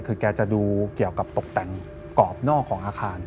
คือแกจะดูเกี่ยวกับตกแต่งกรอบนอกของอาคาร